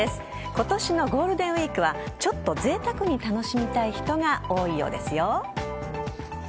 今年のゴールデンウイークはちょっと、ぜいたくに楽しみたい人が多いようですよ。